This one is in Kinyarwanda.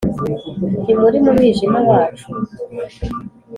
ntimuri mu mwijima wacu